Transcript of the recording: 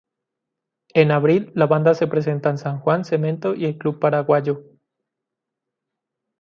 En abril, la banda se presenta en San Juan, Cemento y el Club Paraguayo.